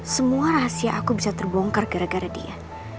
semua rahasia aku bisa terbongkar gara gara dia